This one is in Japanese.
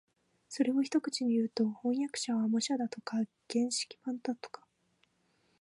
それを一口にいうと、飜訳者は模写だとか原色版だとか